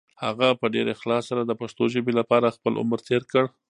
هغه په ډېر اخلاص سره د پښتو ژبې لپاره خپل عمر تېر کړ.